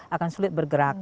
akan sulit bergerak